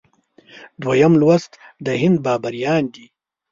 دویم لوست د هند بابریان دي.